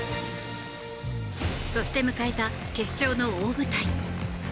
そして迎えた決勝の大舞台。